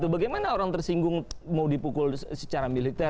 bagaimana orang tersinggung mau dipukul secara militer